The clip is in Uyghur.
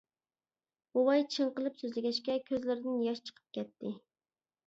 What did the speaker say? بوۋاي چىڭقىلىپ سۆزلىگەچكە كۆزلىرىدىن ياش چىقىپ كەتتى.